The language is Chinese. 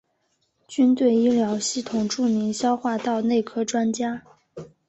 军队医疗系统著名消化道内科专家。